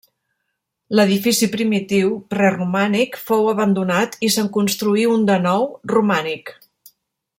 L'edifici primitiu preromànic fou abandonat i se'n construí un de nou, romànic.